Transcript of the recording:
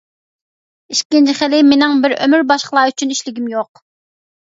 ئىككىنچى خىلى، مېنىڭ بىر ئۆمۈر باشقىلار ئۈچۈن ئىشلىگۈم يوق.